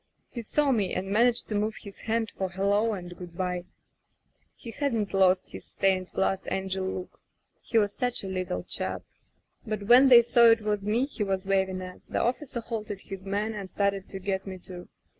He saw me and managed to move his hand for hello and good by. He hadn't lost his stained glass angel look. He was such a little chap. ... "But when they saw it was me he was waving at, the officer halted his men and started to get me too.